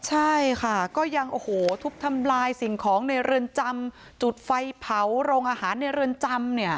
ใช่ค่ะก็ยังโอ้โหทุบทำลายสิ่งของในเรือนจำจุดไฟเผาโรงอาหารในเรือนจำเนี่ย